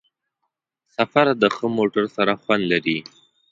سفر د ښه موټر سره خوند لري.